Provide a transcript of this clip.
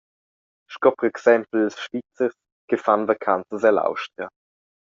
Sco per exempel ils Svizzers che fan vacanzas ell’Austria.